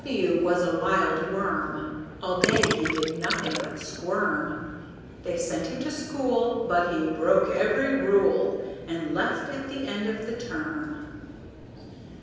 W was a wild Worm, All day he did nothing but squirm. They sent him to school, But he broke every rule, And left at the end of the term.